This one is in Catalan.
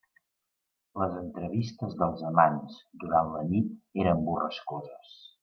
Les entrevistes dels amants durant la nit eren borrascoses.